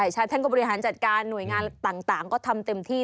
ใช่ท่านก็บริหารจัดการหน่วยงานต่างก็ทำเต็มที่